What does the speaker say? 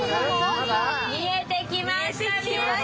見えてきました。